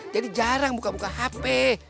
jadi jarang buka buka hp